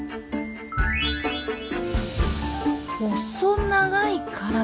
細長い体。